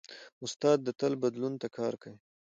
استاد تل بدلون ته کار کوي.